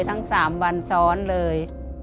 ทั้ง๓วันซ้อนเลย